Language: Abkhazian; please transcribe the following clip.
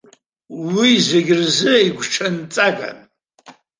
Уи зегь рзы игәҽанҵаган.